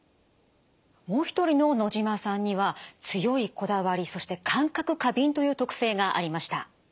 もう一人の野島さんには強いこだわりそして感覚過敏という特性がありました。